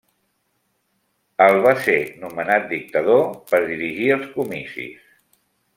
El va ser nomenat dictador per dirigir els comicis.